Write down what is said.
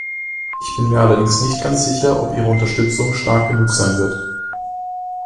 Ich bin mir allerdings nicht ganz sicher, ob Ihre Unterstützung stark genug sein wird.